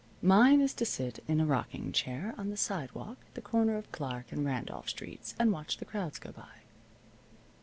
Mine is to sit in a rocking chair on the sidewalk at the corner of Clark and Randolph Streets, and watch the crowds go by.